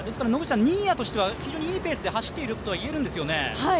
新谷としては非常にいいペースで走っているとはいえるんですよね。